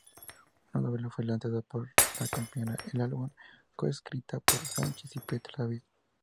Una novela fue lanzada para acompañar al álbum, co-escrita por Sánchez y Peter David.